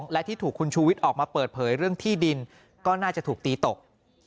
และที่ถูกคุณชูวิทย์ออกมาเปิดเผยเรื่องที่ดินก็น่าจะถูกตีตก